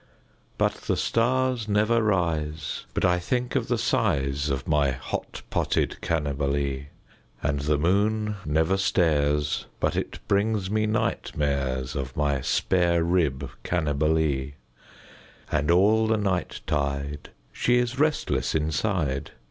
But the stars never rise but I think of the size Of my hot potted Cannibalee, And the moon never stares but it brings me night mares Of my spare rib Cannibalee; And all the night tide she is restless inside.